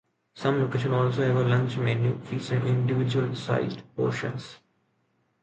Some locations also have a lunch menu, featuring individual-sized portions.